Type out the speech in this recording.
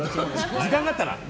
時間があったら。